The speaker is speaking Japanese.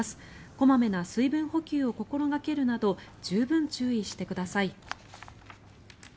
小まめな水分補給を心掛けるなど十分注意してください。